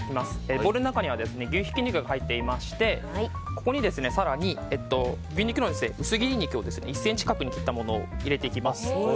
ボウルの中には牛ひき肉が入っていましてここに更に牛肉の薄切り肉を１ｃｍ角に切ったものを入れていきます。